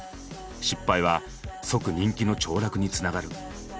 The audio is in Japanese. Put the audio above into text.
失敗は即人気のちょう落につながる。